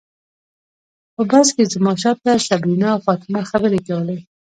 په بس کې زما شاته صبرینا او فاطمه خبرې کولې.